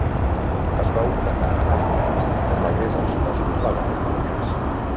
Es va ordenar a Ryanair que pagués els costos legals del cas.